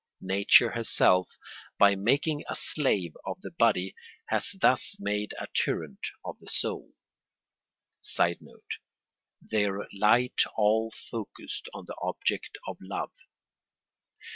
Nature herself, by making a slave of the body, has thus made a tyrant of the soul. [Sidenote: Their light all focussed on the object of love.